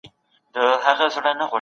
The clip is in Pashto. د سیاستوالو هڅې باید د ټولنې لپاره وي.